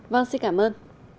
vâng xin cảm ơn